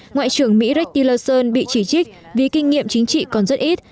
ngoại trưởng mỹ rick tillerson bị chỉ trích vì kinh nghiệm chính trị còn rất ít